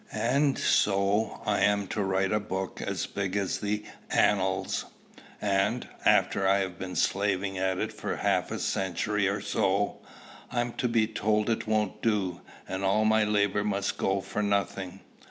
"And so I'm to write a book as big as 'The Annals;' and, after I've been slaving at it for half a century or so, I'm to be told it won't do, and all my labor must go for nothing?